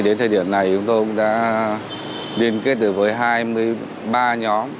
đến thời điểm này chúng tôi cũng đã liên kết được với hai mươi ba nhóm